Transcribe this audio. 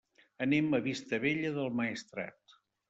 Anem a Vistabella del Maestrat.